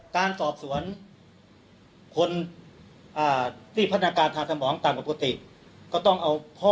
การสอบสวนคนที่พัฒนาการทางสมองตามปกติก็ต้องเอาพ่อ